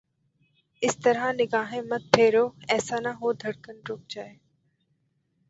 اس طرح نگاہیں مت پھیرو، ایسا نہ ہو دھڑکن رک جائے